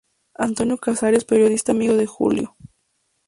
Antonio Casares, periodista amigo de Julio.